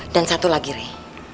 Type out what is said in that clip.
dan satu lagi rey